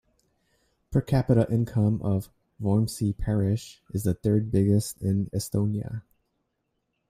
Per capita income of Vormsi Parish is the third biggest in Estonia.